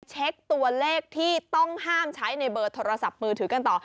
เช็คตัวเลขที่ต้องห้ามใช้ในเบอร์โทรศัพท์มือถือกันต่อ